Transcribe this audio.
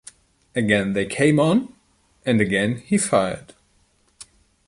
Again they came on, and again he fired.